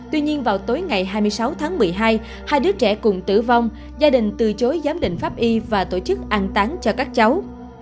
tuy nhiên vào tối ngày hai mươi sáu tháng một mươi hai hai đứa trẻ cùng tử vong gia đình từ chối giám định pháp y và tổ chức ăn tán cho các cháu